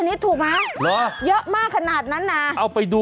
หรือปอบทำยังไง